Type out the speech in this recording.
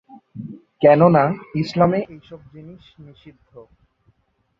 কেননা ইসলামে এইসব জিনিস নিষিদ্ধ।